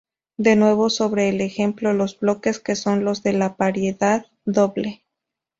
De nuevo sobre el ejemplo, los bloques Q son los de la paridad doble.